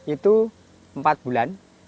itu empat bulan